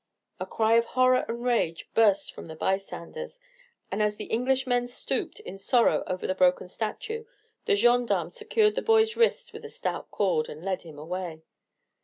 A cry of horror and rage burst from the bystanders, and as the Englishmen stooped in sorrow over the broken statue, the gendarmes secured the boy's wrists with a stout cord, and led him away.